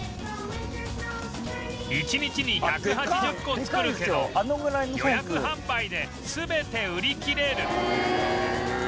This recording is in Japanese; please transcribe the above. １日に１８０個作るけど予約販売で全て売り切れる